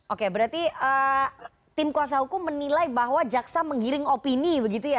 oke berarti tim kuasa hukum menilai bahwa jaksa menggiring opini begitu ya